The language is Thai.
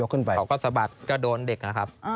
เขาก็สะบัดก็โดนเด็กนะครับ